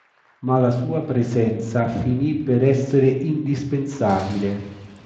Ma la sua presenza finì per essere indispensabile.